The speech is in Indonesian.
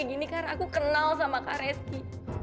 ini karena aku kenal sama kak reski